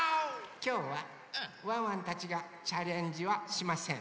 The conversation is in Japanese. きょうはワンワンたちがチャレンジはしません。